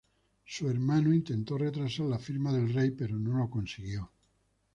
Su hermano intentó retrasar la firma del rey pero no lo consiguió.